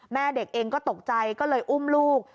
แม่เด็กเองก็ตกใจก็เลยอุ้มลูก